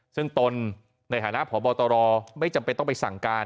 ซึ่งตนในฐานะพบตรไม่จำเป็นต้องไปสั่งการ